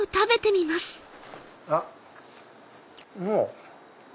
あっもう。